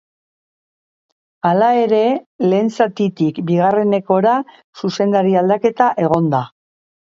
Hala ere, lehen zatitik bigarrengora zuzendari aldaketa egon da.